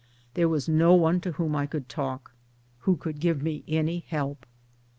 There was no one to whom I could talk, who could give me any help.